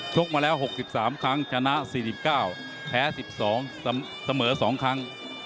ชกมาแล้วหกสิบสามครั้งชนะสี่สิบเก้าแพ้สิบสองเสมอสองครั้ง